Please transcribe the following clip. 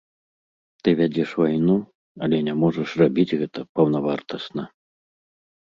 Ты вядзеш вайну, але не можаш рабіць гэта паўнавартасна.